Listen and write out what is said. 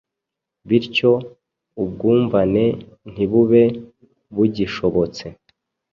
bityo ubwumvane ntibube bugishobotse.